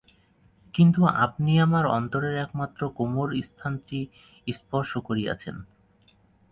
কিন্তু আপনি আমার অন্তরের একমাত্র কোমল স্থানটি স্পর্শ করিয়াছেন।